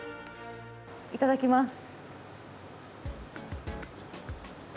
いただきます。